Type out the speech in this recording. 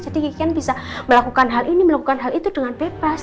jadi kiki kan bisa melakukan hal ini melakukan hal itu dengan bebas